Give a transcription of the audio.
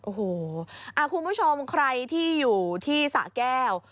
โอ้โหคุณผู้ชมใครที่อยู่ที่สะแก้ว